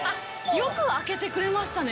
よく開けてくれましたね